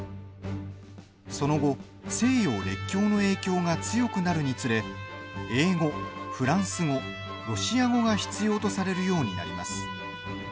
その後、西洋列強の影響が強くなるにつれ英語、フランス語、ロシア語が必要とされるようになります。